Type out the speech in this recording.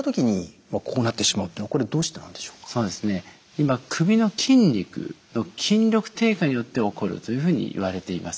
今首の筋肉の筋力低下によって起こるというふうにいわれています。